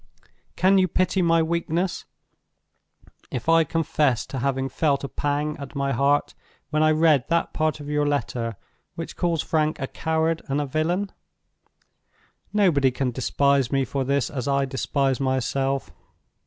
Can you pity my weakness if I confess to having felt a pang at my heart when I read that part of your letter which calls Frank a coward and a villain? Nobody can despise me for this as I despise myself.